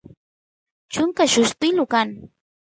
chunka lluspilu kan